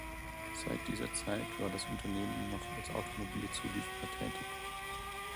Seit dieser Zeit war das Unternehmen noch als Automobilzulieferer tätig.